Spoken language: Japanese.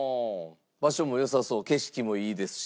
場所も良さそう景色もいいですし。